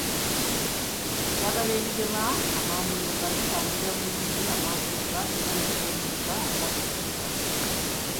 Eddagala erigema amambulugga litangira bulungi amambulugga era ne kikendeeza obulabe mu bantu